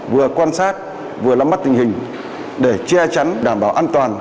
vừa quan sát vừa lắm mắt tình hình để che chắn đảm bảo an toàn